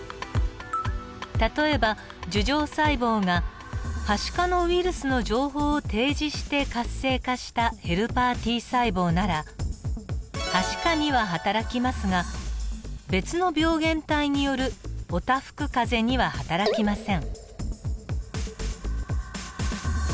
例えば樹状細胞がはしかのウイルスの情報を提示して活性化したヘルパーＴ細胞ならはしかにははたらきますが別の病原体によるおたふくかぜにははたらきません。